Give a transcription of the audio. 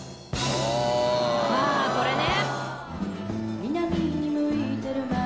「ああこれね！」